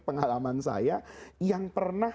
pengalaman saya yang pernah